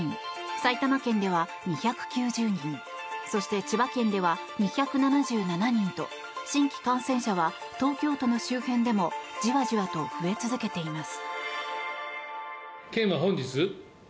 埼玉県では２９０人そして千葉県では２７７人と新規感染者は東京都の周辺でもじわじわと増え続けています。